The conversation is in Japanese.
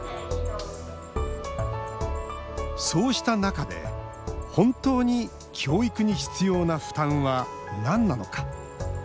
そうした中で本当に教育に必要な負担は、なんなのか。